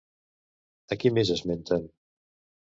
A qui més esmenten?